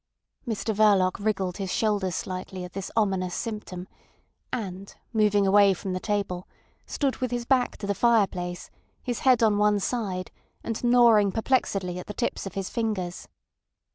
Mr Verloc wriggled his shoulders slightly at this ominous symptom, and moving away from the table, stood with his back to the fireplace, his head on one side, and gnawing perplexedly at the tips of his fingers.